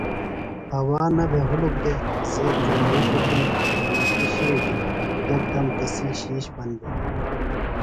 ہوا نہ بھےۡ ہُلُک دےۡ۔ زید جُمائی تھےگُوم۔ جمیتیۡ شیٹیۡ یکدم تسی شِیش بند بِھلیۡ۔